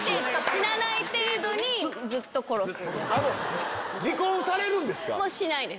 死なない程度にずっと殺す。